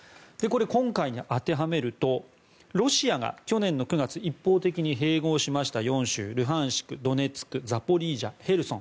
今回に当てはめるとロシアが去年の９月一方的に併合しました４州ルハンシク、ドネツクザポリージャ、ヘルソン。